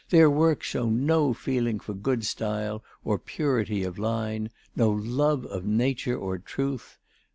Their works show no feeling for good style or purity of line, no love of nature or truth.